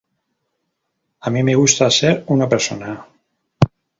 A mí me gusta ser una persona.